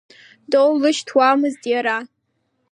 Доулышьҭуамызт иара.